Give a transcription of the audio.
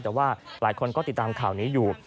แต่ว่าหลายคนก็ติดตามข่าวนี้อยู่